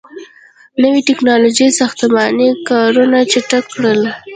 • نوي ټیکنالوژۍ ساختماني کارونه چټک کړل.